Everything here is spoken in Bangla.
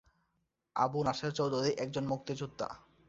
আবু নাসের চৌধুরী একজন মুক্তিযুদ্ধা।